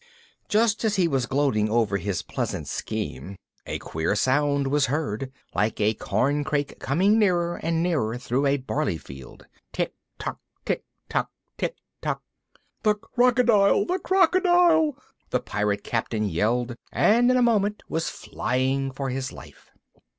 Just as he was gloating over his pleasant scheme a queer sound was heard, like a corncrake coming nearer and nearer through a barley field. "Tick, tack, tick, tack, tick, tack." "The Crocodile! the Crocodile!" the Pirate Captain yelled, and in a moment was flying for his life.